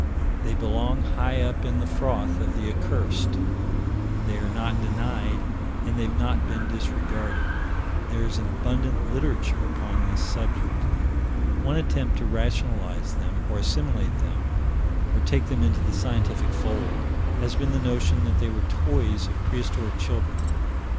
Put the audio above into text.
They belong high up in the froth of the accursed: they are not denied, and they have not been disregarded; there is an abundant literature upon this subject. One attempt to rationalize them, or assimilate them, or take them into the scientific fold, has been the notion that they were toys of prehistoric children.